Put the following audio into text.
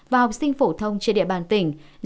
và học sinh phổ thông trên địa bàn tỉnh